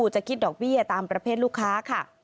จะคิดดอกเบี้ยตามประเภทลูกค้าค่ะ